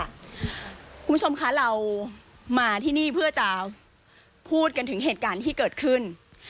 คุณผู้ชมคะเรามาที่นี่เพื่อจะพูดกันถึงเหตุการณ์ที่เกิดขึ้น